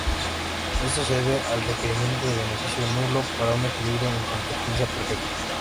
Esto se debe al requerimiento de beneficio nulo para un equilibrio en competencia perfecta.